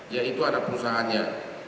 yaitu ada perusahaannya